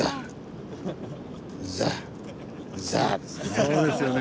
そうですよね。